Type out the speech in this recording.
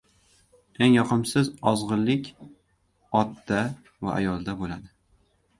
• Eng yoqimsiz ozg‘inlik otda va ayolda bo‘ladi.